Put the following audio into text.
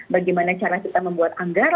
bagaimana cara kita membuat anggaran